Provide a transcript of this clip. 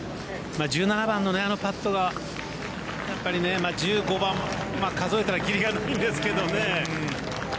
１７番のあのパットはやっぱり１５番数えたら切りがないんですけどね。